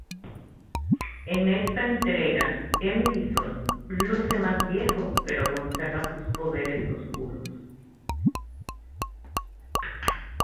En esta entrega M. Bison luce más viejo pero conserva sus poderes oscuros.